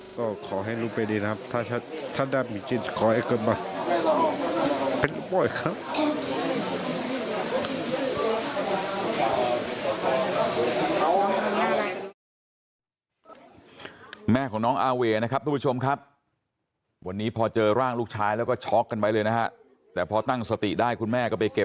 ก็ขอให้ลูกเป็นดีนะครับถ้าได้มีชิ้นขอให้ก่อนมา